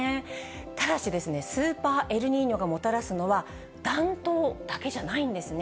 ただし、スーパーエルニーニョがもたらすのは、暖冬だけじゃないんですね。